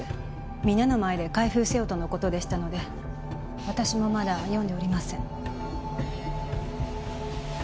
皆の前で開封せよとのことでしたので私もまだ読んでおりません